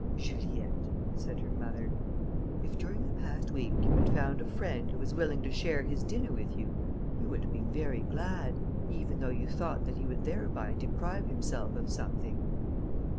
"Juliette," said her mother, "if during the past week you had found a friend, who was willing to share his dinner with you, you would have been very glad, even though you thought that he would thereby deprive himself of something."